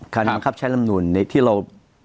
การกับใช้ลำนูลที่เรา